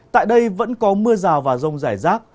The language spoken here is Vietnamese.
tại đây vẫn có mưa rào và rông rải rác